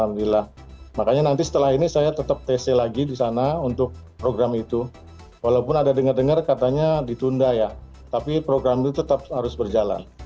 alhamdulillah makanya nanti setelah ini saya tetap tc lagi di sana untuk program itu walaupun ada dengar dengar katanya ditunda ya tapi program itu tetap harus berjalan